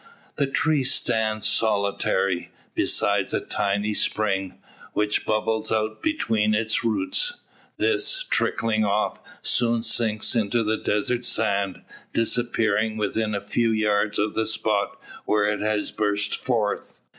The tree stands solitary, beside a tiny spring, which bubbles out between its roots. This, trickling off, soon sinks into the desert sand, disappearing within a few yards of the spot where it has burst forth.